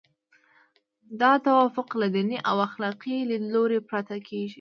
دا توافق له دیني او اخلاقي لیدلوري پرته کیږي.